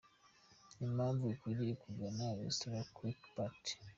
Impamvu ukwiriye kugana Restaurant Quelque Part.